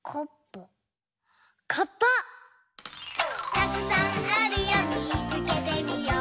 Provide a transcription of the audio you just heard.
「たくさんあるよみつけてみよう」